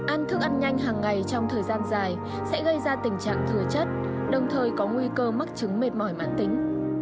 ăn thức ăn nhanh hàng ngày trong thời gian dài sẽ gây ra tình trạng thừa chất đồng thời có nguy cơ mắc chứng mệt mỏi mãn tính